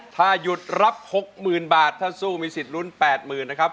ถ้ายุดรับหกหมื่นบาทถ้าสู้มีสิทธิ์รุ่นแปดหมื่นนะครับ